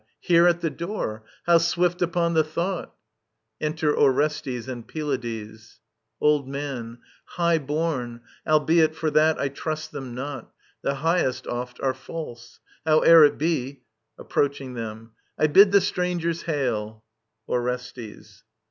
Here at the door ! How swift upon the thought ! Enter Orestes and Pylades. Old Man. High born : albeit for that I trust them not. The highest oft are false. ... Howe'er it be, [Approaching them. I bid the strangers hail ! Orestes.